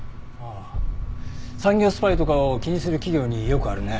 ああ産業スパイとかを気にする企業によくあるね。